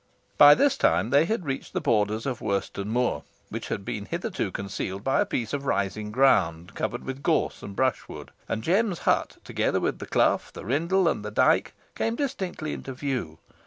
By this time they had reached the borders of Worston Moor, which had been hitherto concealed by a piece of rising ground, covered with gorse and brushwood, and Jem's hut, together with the clough, the rindle, and the dyke, came distinctly into view.